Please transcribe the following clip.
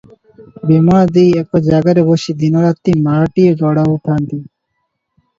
ବିମଳା ଦେଈ ଏକ ଜାଗାରେ ବସି ଦିନ ରାତି ମାଳାଟିଏ ଗଡ଼ାଉଥାନ୍ତି ।